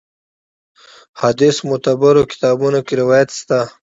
حدیث معتبرو کتابونو کې روایت شته.